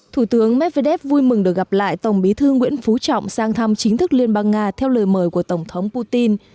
thủ tướng medvedev vui mừng được gặp lại tổng bí thư nguyễn phú trọng sang thăm chính thức liên bang nga theo lời mời của tổng thống putin